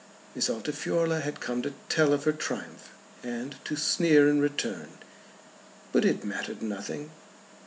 Miss Altifiorla had come to tell of her triumph, and to sneer in return. But it mattered nothing.